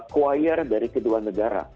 choir dari kedua negara